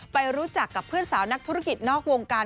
ไปรู้จักกับเพื่อนสาวนักธุรกิจนอกวงการ